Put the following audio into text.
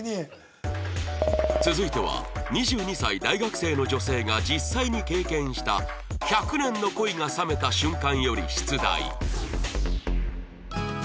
続いては２２歳大学生の女性が実際に経験した１００年の恋が冷めた瞬間より出題